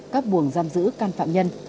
các buồng giam giữ can phạm nhân